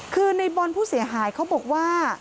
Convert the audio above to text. คือในบอลผู้เสียหายเขาบอกว่า